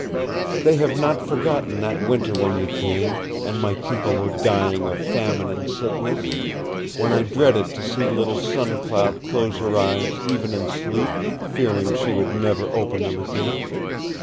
They have not forgotten that winter when you came, and my people were dying of famine and sickness when I dreaded to see little Sun Cloud close her eyes even in sleep, fearing she would never open them again.